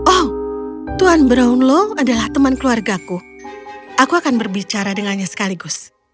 oh tuhan brownlow adalah teman keluargaku aku akan berbicara dengannya sekaligus